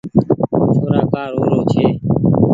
ڇورآ ڪآ رو رو ڇي